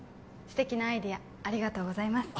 素敵なアイデアありがとうございます